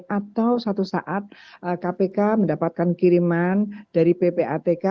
atau suatu saat kpk mendapatkan kiriman dari ppatk